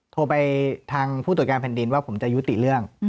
โทรไปทางผู้ตรวจการแผ่นดินว่าผมจะยุติเรื่อง